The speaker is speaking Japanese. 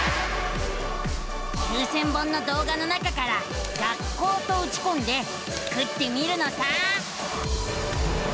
９，０００本の動画の中から「学校」とうちこんでスクってみるのさ！